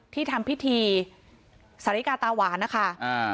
ที่ทำพิธีสาริกาตาหวานนะคะอ่า